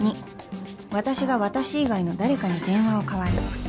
２私が私以外の誰かに電話を代わる